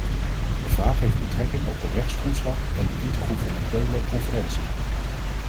De vraag heeft betrekking op de rechtsgrondslag en de intergouvernementele conferentie.